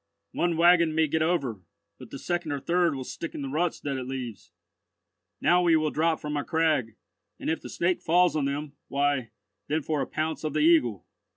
"One waggon may get over, but the second or third will stick in the ruts that it leaves. Now we will drop from our crag, and if the Snake falls on them, why, then for a pounce of the Eagle."